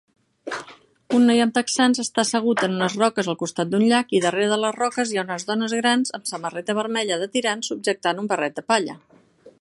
Un noi amb texans està assegut en unes roques al costat d'un llac i darrere de les roques hi ha unes dones grans amb samarreta vermella de tirants subjectant un barret de palla